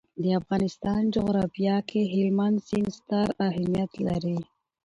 د افغانستان جغرافیه کې هلمند سیند ستر اهمیت لري.